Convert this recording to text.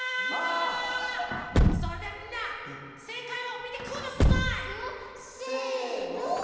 それではみんなせいかいをみてください！せの！